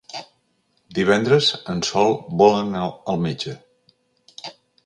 Divendres en Sol vol anar al metge.